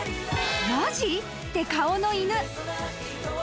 「マジ！？」って顔の犬］